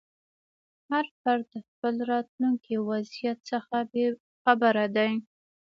هر فرد د خپل راتلونکي وضعیت څخه بې خبره دی.